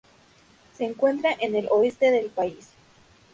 Se encuentra en el oeste del país.